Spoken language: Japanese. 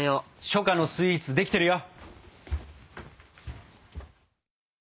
初夏のスイーツできてるよ！